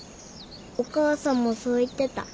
お母さんもそう言ってた。